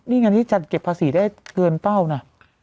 นี่ไงที่จัดเก็บภาษีได้เกินเป้านะ